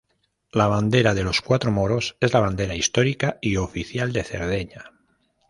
La bandera de los Cuatro Moros es la bandera histórica y oficial de Cerdeña.